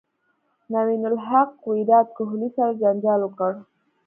نوین الحق ویرات کوهلي سره جنجال وکړ